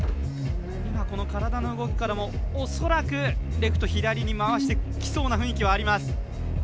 体の動きからも、恐らく左に回してきそうな雰囲気があります。